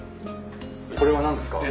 これは何ですか？